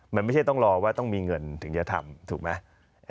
มันไม่หรือให้รอไม่มีเงินจะทำถูกไหม